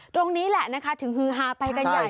ตรงนี้แหละนะคะถึงฮือฮาไปกันใหญ่